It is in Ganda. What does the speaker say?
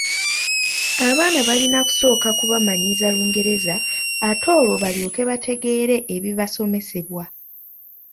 Abaana balina kusooka kubamanyiiza Lungereza ate olwo balyoke bategeere ebibasomesebwa.